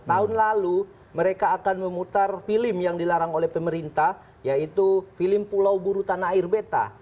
tahun lalu mereka akan memutar film yang dilarang oleh pemerintah yaitu film pulau buru tanah air beta